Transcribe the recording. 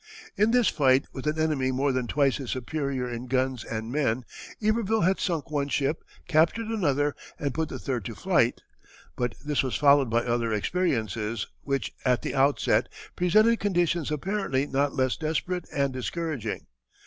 In this fight with an enemy more than twice his superior in guns and men Iberville had sunk one ship, captured another, and put the third to flight; but this was followed by other experiences, which at the outset presented conditions apparently not less desperate and discouraging.